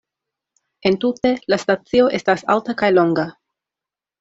Entute, la stacio estas alta kaj longa.